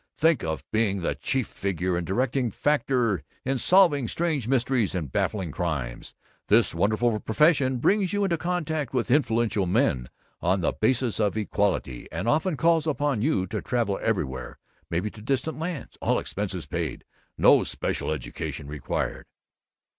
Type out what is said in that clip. Think of being the chief figure and directing factor in solving strange mysteries and baffling crimes. This wonderful profession brings you into contact with influential men on the basis of equality, and often calls upon you to travel everywhere, maybe to distant lands all expenses paid. NO SPECIAL EDUCATION REQUIRED."